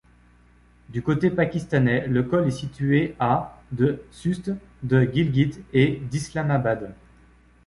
Du côté pakistanais, le col est situé à de Sust, de Gilgit et d'Islamabad.